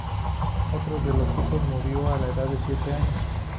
Otro de los hijos murió a la edad de siete años.